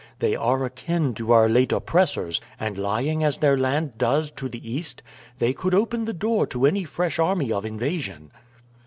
They are akin to our late oppressors, and lying as their land does to the east, they could open the door to any fresh army of invasion.